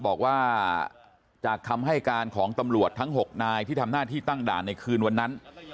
บอกว่าจากคำให้การของตำรวจทั้ง๖นายที่ทำหน้าที่ตั้งด่านในคืนวันนั้น